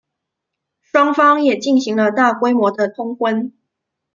双方也进行了大规模的通婚。